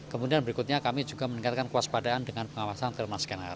kemudian berikutnya kami juga meningkatkan kewaspadaan dengan pengawasan thermal scanner